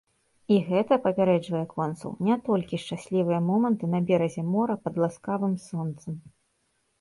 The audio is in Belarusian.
І гэта, папярэджвае консул, не толькі шчаслівыя моманты на беразе мора пад ласкавым сонцам.